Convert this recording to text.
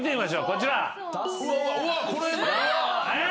こちら。